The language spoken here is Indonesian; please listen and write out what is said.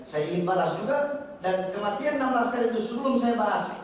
saya ingin balas juga dan kematian enam belas kali itu sebelum saya bahas